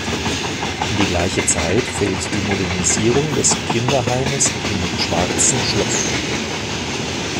In die gleiche Zeit fällt die Modernisierung des Kinderheimes im "Schwarzen Schloss".